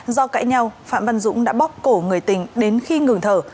do cãi nhau phạm văn dũng đã bóc cổ người tình đến khi ngừng thở